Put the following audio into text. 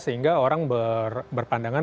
sehingga orang berpandangan